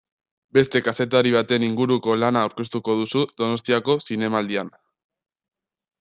Beste kazetari baten inguruko lana aurkeztuko duzu Donostiako Zinemaldian.